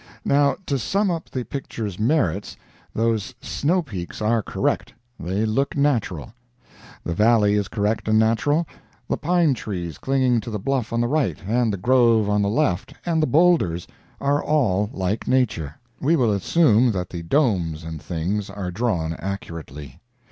Now, to sum up the picture's merits, those snow peaks are correct—they look natural; the valley is correct and natural; the pine trees clinging to the bluff on the right, and the grove on the left, and the boulders, are all like nature; we will assume that the domes and things are drawn accurately.